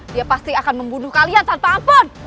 dia pasti akan membunuh kalian tanpa ampun